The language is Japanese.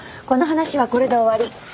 この話はこれで終わり。